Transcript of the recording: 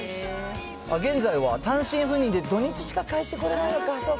現在は単身赴任で、土日しか帰ってこれないのか、そうか。